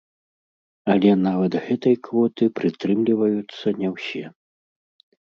Але нават гэтай квоты прытрымліваюцца не ўсе.